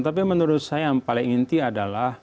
tapi menurut saya yang paling inti adalah